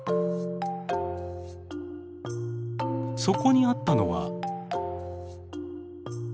そこにあったのは。